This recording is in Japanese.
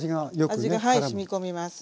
味がはいしみ込みます。